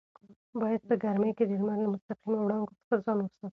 باید په ګرمۍ کې د لمر له مستقیمو وړانګو څخه ځان وساتو.